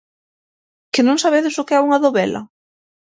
Que non sabedes o que é unha dovela?